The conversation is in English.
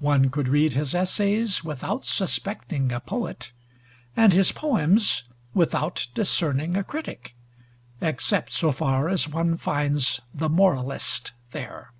One could read his essays without suspecting a poet, and his poems without discerning a critic, except so far as one finds the moralist there.